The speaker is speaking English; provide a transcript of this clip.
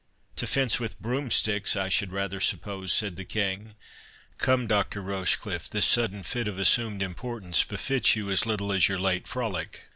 "To fence with broomsticks, I should rather suppose," said the King— "Come, Doctor Rochecliffe, this sudden fit of assumed importance befits you as little as your late frolic.